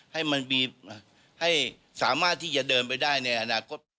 ให้มันมีให้สามารถที่จะเดินไปได้ในอนาคต